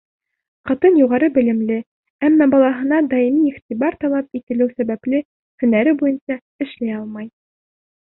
Ҡатын юғары белемле, әммә балаһына даими иғтибар талап ителеү сәбәпле, һөнәре буйынса эшләй алмай.